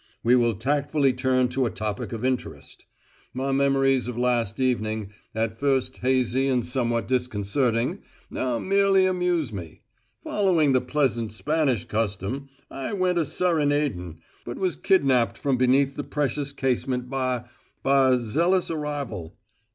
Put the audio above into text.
We will tactfully turn to a topic of interest. My memories of last evening, at first hazy and somewhat disconcerting, now merely amuse me. Following the pleasant Spanish custom, I went a serenading, but was kidnapped from beneath the precious casement by by a zealous arrival.